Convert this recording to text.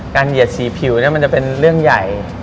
เหยียดสีผิวมันจะเป็นเรื่องใหญ่